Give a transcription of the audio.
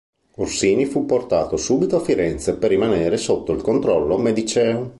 Orsini fu portato subito a Firenze per rimanere sotto il controllo mediceo.